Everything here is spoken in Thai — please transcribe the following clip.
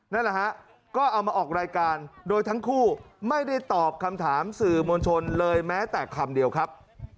นั่นแหละฮะก็เอามาออกรายการโดยทั้งคู่ไม่ได้ตอบคำถามสื่อมวลชนเลยแม้แต่คำเดียวครับ